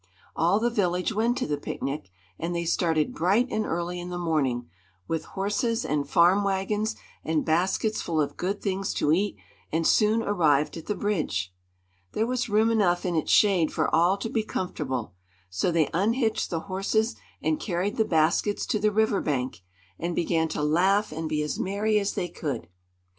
All the village went to the picnic, and they started bright and early in the morning, with horses and farm wagons, and baskets full of good things to eat, and soon arrived at the bridge. There was room enough in its shade for all to be comfortable; so they unhitched the horses and carried the baskets to the river bank, and began to laugh and be as merry as they could.